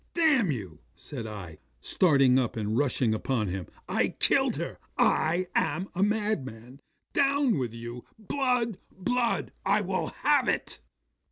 '"Damn you," said I, starting up, and rushing upon him; "I killed her. I am a madman. Down with you. Blood, blood! I will have it!"